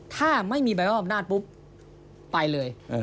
ถ้าไม่มีใบมอบนาธิ์ทั้งปุ๊บไปเลย